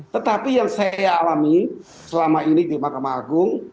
tetapi yang saya alami selama ini di mahkamah agung